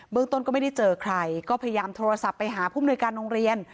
เมืองต้นก็ไม่ได้เจอใครก็พยายามโทรศัพท์ไปหาผู้มนุยการโรงเรียน